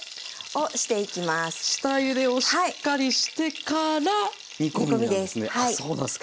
下ゆでをしっかりしてから煮込みなんですね。